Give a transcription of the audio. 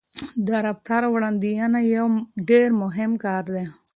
د رفتار وړاندوينه یو ډېر مهم کار دی.